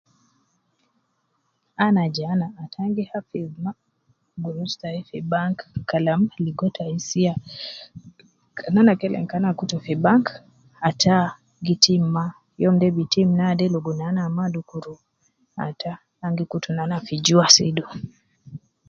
Ana je ana ata ana gi hafidh mma gurus tayi fi bank kalam ligo tai sia. Kan ana kelem kana kutu fi bank ata gi tim ma, youm de tim naade logo nana mma dukuru ata, ana gi kutu nana fi juwa sidu.